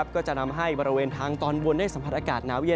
ก็จะทำให้บริเวณทางตอนบนได้สัมผัสอากาศหนาวเย็น